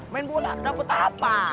main bola dapat apa